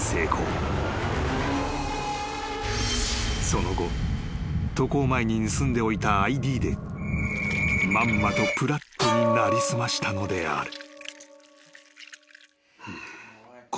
［その後渡航前に盗んでおいたＩＤでまんまとプラットに成り済ましたのである］